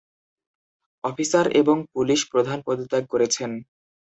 Officer এবং police প্রধান পদত্যাগ করেছেন।